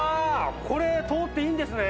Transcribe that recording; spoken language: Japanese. これ通っていいんですね？